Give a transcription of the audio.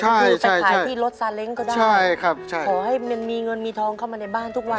ก็คือไปขายที่รถซาเล้งก็ได้ใช่ครับใช่ขอให้มันมีเงินมีทองเข้ามาในบ้านทุกวัน